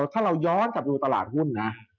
ถ้าเราย้อนกลับดูตลาดหุ้นนะ